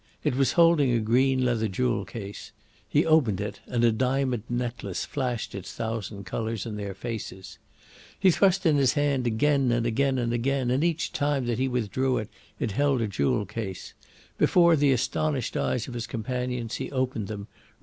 It was holding a green leather jewel case. He opened it, and a diamond necklace flashed its thousand colours in their faces. He thrust in his hand again and again and again, and each time that he withdrew it, it held a jewel case. Before the astonished eyes of his companions he opened them.